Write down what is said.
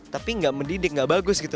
tapi gak mendidik gak bagus gitu